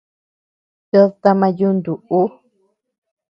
Ted tama yuntu ú.